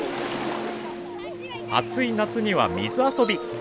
暑い夏には水遊び。